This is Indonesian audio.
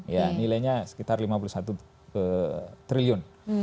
ya nilainya sekitar lima puluh satu triliun